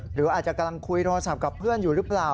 หรืออาจจะกำลังคุยโทรศัพท์กับเพื่อนอยู่หรือเปล่า